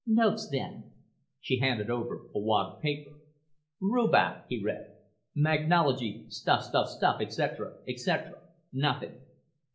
"Notes, then." She handed over a wad of paper. "Rubach," he read, "Magnology stuff stuff stuff etc. etc. Nothing.